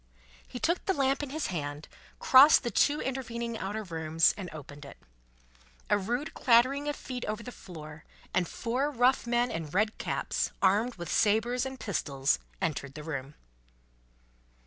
He took the lamp in his hand, crossed the two intervening outer rooms, and opened it. A rude clattering of feet over the floor, and four rough men in red caps, armed with sabres and pistols, entered the room.